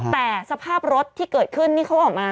แต่สภาพรถที่เกิดขึ้นนี่เขาออกมา